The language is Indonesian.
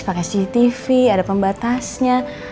pake cctv ada pembatasnya